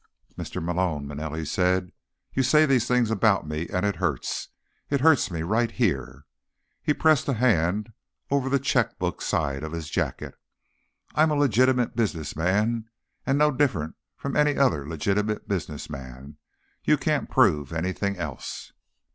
"Mr. Malone," Manelli said, "you say these things about me, and it hurts. It hurts me, right here." He pressed a hand over the checkbook side of his jacket. "I'm a legitimate businessman, and no different from any other legitimate businessman. You can't prove anything else."